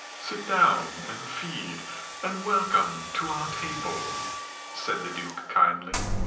"Sit down and feed, and welcome to our table," said the Duke kindly.